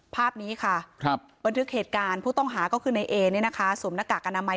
ภาพนี้ค่ะเปิดถึงเหตุการณ์ผู้ต้องหาก็คือในเอนส่วมหน้ากากกาณะไม้